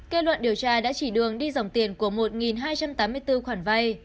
kết luận điều tra đã chỉ đường đi dòng tiền của một hai trăm tám mươi bốn khoản vay